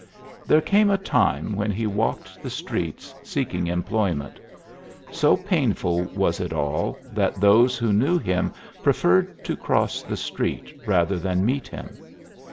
There came a time when he walked the streets, seeking employment. So painful was it all that those who knew him preferred to cross the street rather than meet him.